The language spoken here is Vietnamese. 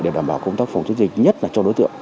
để đảm bảo công tác phòng chống dịch nhất là cho đối tượng